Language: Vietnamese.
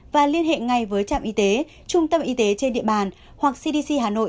và liên hệ ngay với trạm y tế trung tâm y tế trên địa bàn hoặc cdc hà nội